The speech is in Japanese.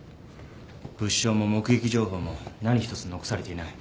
物証も目撃情報も何一つ残されていない。